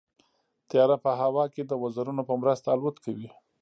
طیاره په هوا کې د وزرونو په مرسته الوت کوي.